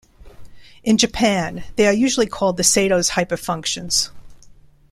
In Japan, they are usually called the Sato's hyperfunctions.